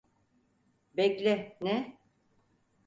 Bekle, ne?